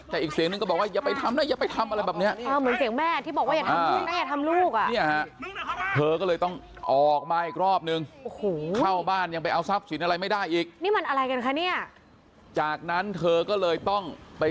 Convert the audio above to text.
แต่อีกเสียงนึงก็บอกว่าอย่าไปทำนะอย่าไปทำอะไรแบบนี้